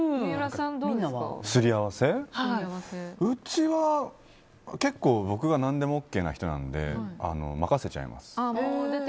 うちは結構僕が何でもＯＫな人なので任せちゃいます。